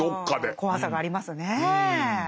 怖さがありますねえ。